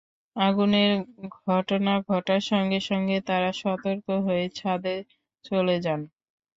আগুনের ঘটনা ঘটার সঙ্গে সঙ্গে তাঁরা সতর্ক হয়ে ছাদে চলে যান।